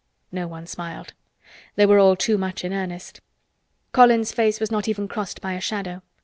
No one smiled. They were all too much in earnest. Colin's face was not even crossed by a shadow.